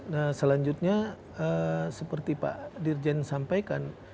nah selanjutnya seperti pak dirjen sampaikan